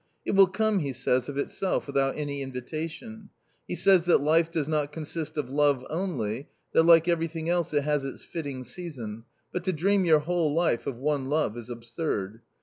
It will come, he says, of itself, without any invitation ; he says that life does not consist of love only, that like everything else it has its fitting season, but to dream your whole life of one love is absurd.